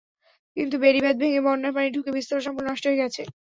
কিন্তু বেড়িবাঁধ ভেঙে বন্যর পানি ঢুকে বীজতলা সম্পূর্ণ নষ্ট হয়ে গেছে।